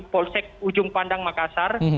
polsek ujung pandang makassar